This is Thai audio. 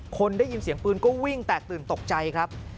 คนได้ยินเสียงปืนก็วิ่งแตกตื่นตกใจครับ